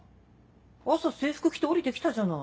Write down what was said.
朝制服着て下りてきたじゃない。